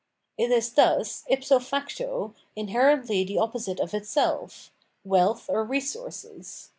'''' It is thus, ipso facto, inherently the opposite of itself — Wealth or Eesources.